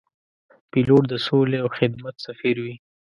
پیلوټ د سولې او خدمت سفیر وي.